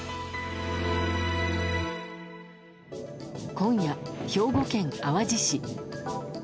今夜、兵庫県淡路市。